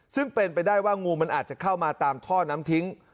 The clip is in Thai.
ซึ่งเป็นไปได้ว่างูมันอาจจะเข้ามาตามท่อน้ำทิ้ง